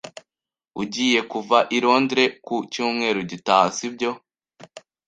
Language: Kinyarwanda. Ugiye kuva i Londres ku cyumweru gitaha, si byo?